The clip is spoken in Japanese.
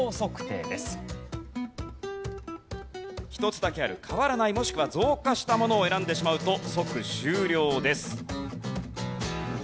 １つだけある変わらないもしくは増加したものを選んでしまうと即終了です。